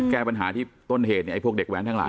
แก้ปัญหาที่ต้นเหตุเนี่ยไอ้พวกเด็กแว้นทั้งหลาย